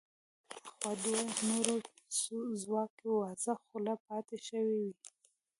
اخوا دوه نورې څوکۍ وازه خوله پاتې شوې وې.